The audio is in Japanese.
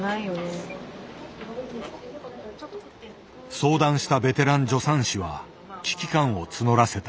相談したベテラン助産師は危機感を募らせた。